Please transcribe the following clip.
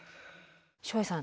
照英さん